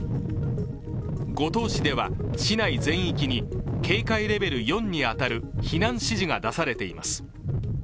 五島市では、市内全域に警戒レベル４に当たる避難指示が出されています。